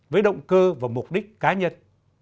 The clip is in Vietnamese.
với động cơ và mục đích cá nhân